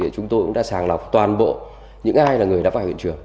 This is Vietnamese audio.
chúng tôi cũng đã sàng lọc toàn bộ những ai là người đã vào hiện trường